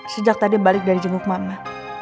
sejak tadi balik dari jenguk makna